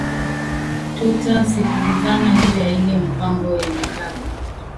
Tuta sikilizana nju ya ile mpango ya nkambo